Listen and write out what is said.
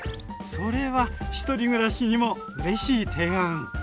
それは１人暮らしにもうれしい提案！